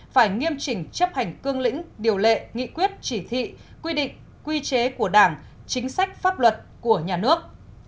phải nghiêm chỉnh chấp hành cương lĩnh điều lệ nghị quyết chỉ thị quy định quy chế của đảng chính sách pháp luật của nhà nước